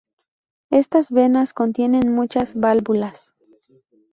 Estas venas contienen muchas válvulas.